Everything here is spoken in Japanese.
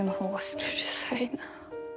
うるさいな。